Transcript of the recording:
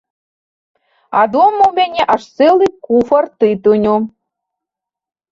А дома ў мяне аж цэлы куфар тытуню.